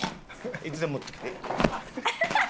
いつでも打ってきてええ。